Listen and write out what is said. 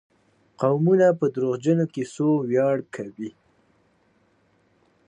قومونه په دروغجنو کيسو وياړ کوي.